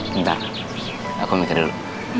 bentar aku mikir dulu